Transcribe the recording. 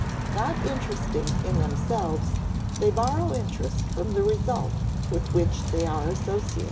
Not interesting in themselves, they borrow interest from the result with which they are associated.